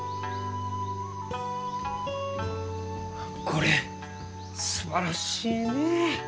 これすばらしいね。